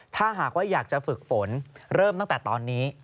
ถ้าหากว่าอยากจะฝึกฝนเริ่มตั้งแต่ตอนนี้